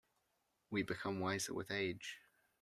We become wiser with age.